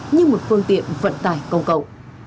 như một phương tiện vận tải công cầu